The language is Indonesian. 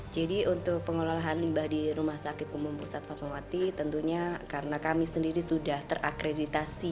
jadi untuk pengolahan limbah di rumah sakit umum bursat fatmawati tentunya karena kami sendiri sudah terakreditasi